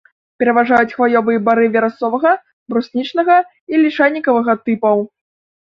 Пераважаюць хваёвыя бары верасовага, бруснічнага і лішайнікавага тыпаў.